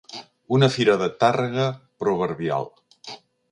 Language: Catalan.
Una Fira de Tàrrega proverbial.